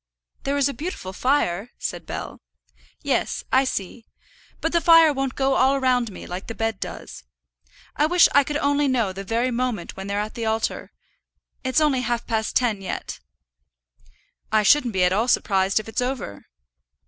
"There's a beautiful fire," said Bell. "Yes; I see. But the fire won't go all around me, like the bed does. I wish I could know the very moment when they're at the altar. It's only half past ten yet." "I shouldn't be at all surprised if it's over."